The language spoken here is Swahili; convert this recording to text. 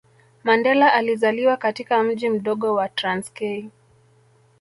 Mandela alizaliwa katika mji mdogo wa Transkei